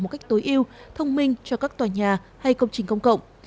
một cách tối ưu thông minh cho các tòa nhà hay công trình công cộng